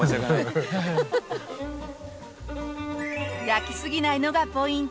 焼きすぎないのがポイント。